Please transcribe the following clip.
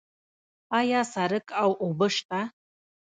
آیا سړک او اوبه شته؟